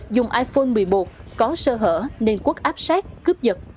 dùng iphone một mươi một có sơ hở nên quốc áp sát cướp giật